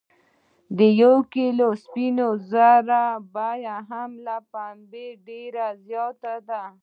د یو کیلو سپینو زرو بیه هم له پنبې ډیره زیاته ده.